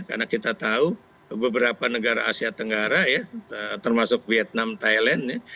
karena kita tahu beberapa negara asia tenggara ya termasuk vietnam thailand ya